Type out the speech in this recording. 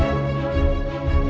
aku bisa datang ke topi